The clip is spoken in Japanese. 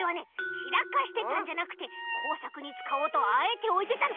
ちらかしてたんじゃなくてこうさくにつかおうとあえておいてたの。